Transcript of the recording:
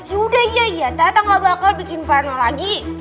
yaudah ya ya tata gak bakal bikin parno lagi